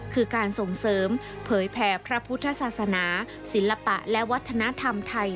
คือการส่งเสริมเผยแผ่พระพุทธศาสนาศิลปะและวัฒนธรรมไทย